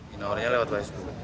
dinaurinya lewat facebook